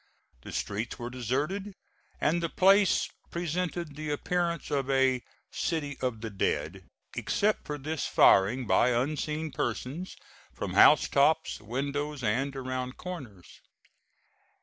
The streets were deserted, and the place presented the appearance of a "city of the dead," except for this firing by unseen persons from house tops, windows, and around corners.